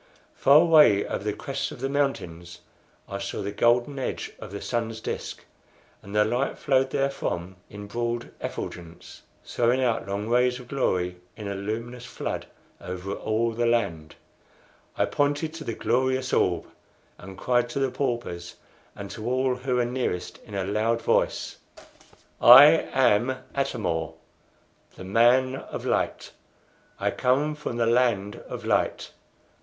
Far away over the crests of the mountains I saw the golden edge of the sun's disc, and the light flowed therefrom in broad effulgence, throwing out long rays of glory in a luminous flood over all the land. I pointed to the glorious orb, and cried to the paupers, and to all who were nearest, in a loud voice: "I am Atam or, the Man of Light! I come from the land of light!